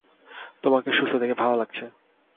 তোমাকে সুস্থ দেখে ভাল লাগছে।